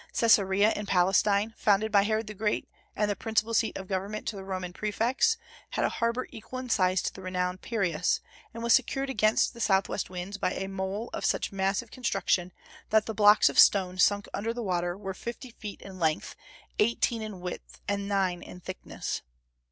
Caesarea in Palestine, founded by Herod the Great, and the principal seat of government to the Roman prefects, had a harbor equal in size to the renowned Piraeus, and was secured against the southwest winds by a mole of such massive construction that the blocks of stone, sunk under the water, were fifty feet in length, eighteen in width, and nine in thickness.